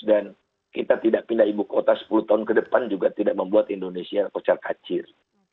dan kita tidak pindah ibu kota sepuluh tahun ke depan juga tidak membuat indonesia kocar kacir